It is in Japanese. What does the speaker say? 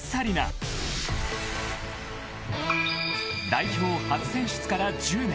［代表初選出から１０年］